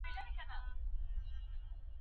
یو شی د بل شی د پلټنې له لارې منځ ته راځي.